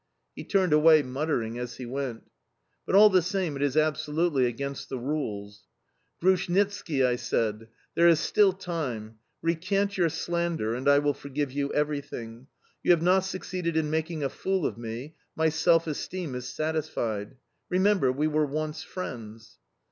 He turned away, muttering as he went: "But all the same it is absolutely against the rules." "Grushnitski!" I said. "There is still time: recant your slander, and I will forgive you everything. You have not succeeded in making a fool of me; my self esteem is satisfied. Remember we were once friends"...